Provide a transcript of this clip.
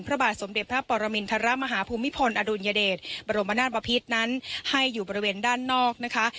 พระบาทสมเด็จพระปรมินทรมาฮภูมิพลอดุลยเดชบรมนาศบพิษนั้นให้อยู่บริเวณด้านนอกนะคะ